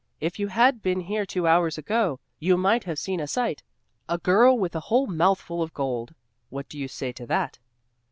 "If you had been here two hours ago, you might have seen a sight. A girl with a whole mouthful of gold! What do you say to that?"